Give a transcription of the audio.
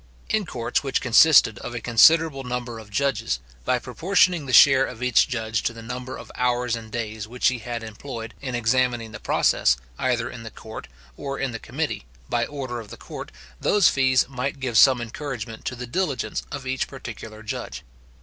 In courts which consisted of a considerable number of judges, by proportioning the share of each judge to the number of hours and days which he had employed in examining the process, either in the court, or in a committee, by order of the court, those fees might give some encouragement to the diligence of each particular judge.